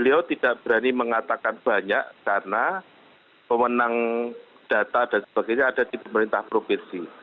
beliau tidak berani mengatakan banyak karena pemenang data dan sebagainya ada di pemerintah provinsi